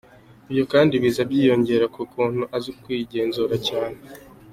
Ibyo kandi biza byiyongera ku kuntu azi kwigezura cyane.